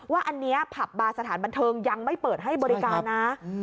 ว่าอันนี้ผับบาร์สถานบันเทิงยังไม่เปิดให้บริการนะ